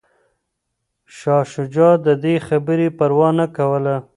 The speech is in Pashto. شاه شجاع د دې خبرې پروا نه کوله.